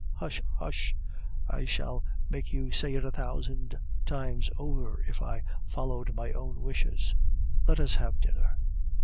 "Hush! hush! I should make you say it a hundred times over if I followed my own wishes. Let us have dinner."